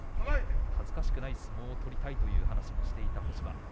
恥ずかしくない相撲を取りたいという話もしていた干場です。